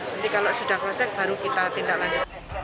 nanti kalau sudah cross check baru kita tindak lanjut